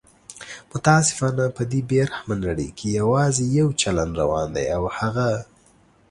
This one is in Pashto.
متاسفانه په دې بې رحمه نړۍ کې یواځي یو چلند روان دی او هغه